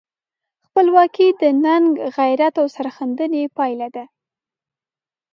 خپلواکي د ننګ، غیرت او سرښندنې پایله ده.